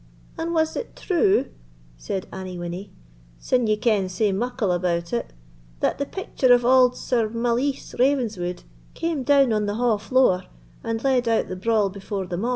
"And was it true," said Annie Winnie, "sin ye ken sae muckle about it, that the picture of auld Sir Malise Ravenswood came down on the ha' floor, and led out the brawl before them a'?"